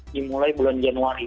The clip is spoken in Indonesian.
dimulai bulan januari